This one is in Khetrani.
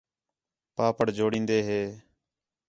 پاپڑ جوڑین٘دے ہے